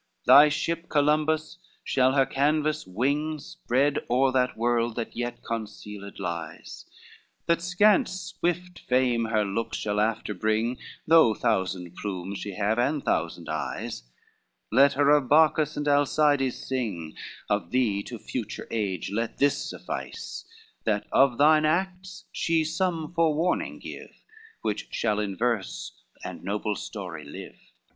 XXXII "Thy ship, Columbus, shall her canvas wing Spread o'er that world that yet concealed lies, That scant swift fame her looks shall after bring, Though thousand plumes she have, and thousand eyes; Let her of Bacchus and Alcides sing, Of thee to future age let this suffice, That of thine acts she some forewarning give, Which shall in verse and noble story live."